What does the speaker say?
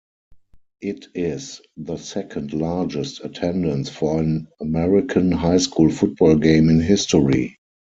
It is the second-largest attendance for an American high school football game in history.